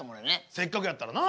せっかくやったらな。